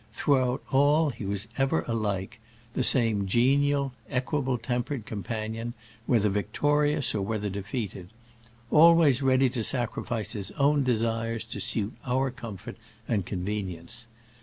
Throughout all he was ever alike — ^the same genial, equable tempered companion, whether victorious or whether defeated; always ready to sacrifice his own desires to suit our com fort and convenience.